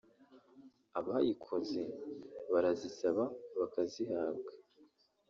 abayikoze barazisaba bakazihabwa